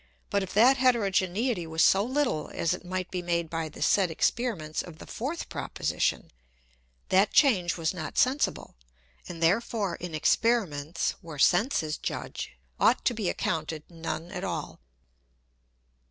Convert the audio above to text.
But, if that Heterogeneity was so little as it might be made by the said Experiments of the fourth Proposition, that Change was not sensible, and therefore in Experiments, where Sense is Judge, ought to be accounted none at all.